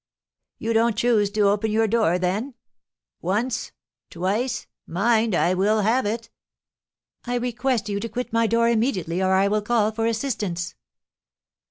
"You don't choose to open your door, then? Once, twice, mind, I will have it." "I request you to quit my door immediately, or I will call for assistance."